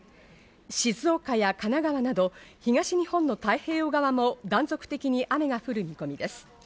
静岡や神奈川など東日本の太平洋側も断続的に雨が降る見込みです。